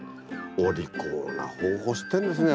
お利口な方法知ってんですね